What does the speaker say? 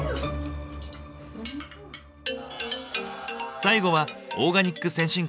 最後はオーガニック先進国